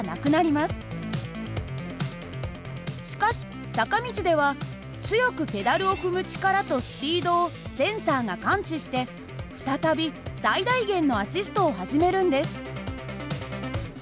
しかし坂道では強くペダルを踏む力とスピードをセンサーが感知して再び最大限のアシストを始めるんです。